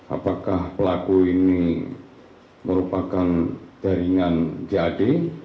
apakah pelaku ini merupakan jaringan jad